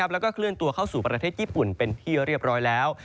แล้วก็เคลื่อนตัวเข้าสู่ประเทศญี่ปุ่นเป็นที่เรียบร้อยแล้ว